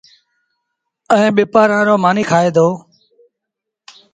ائيٚݩ ٻپآݩرآرو مآݩيٚ کآئي دو